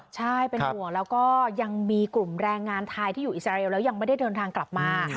ใช่เป็นห่วงแล้วก็ยังมีกลุ่มแรงงานไทยที่อยู่อิสราเอลแล้วยังไม่ได้เดินทางกลับมา